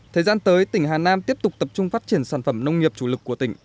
thời gian tới tỉnh hà nam tiếp tục tập trung phát triển sản phẩm nông nghiệp chủ lực của tỉnh